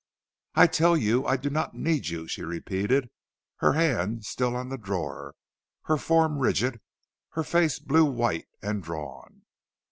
"I tell you I do not need you," she repeated, her hand still on the drawer, her form rigid, her face blue white and drawn.